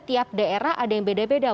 tiap daerah ada yang beda beda